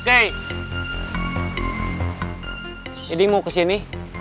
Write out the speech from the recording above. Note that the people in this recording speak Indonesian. eding mau ke sini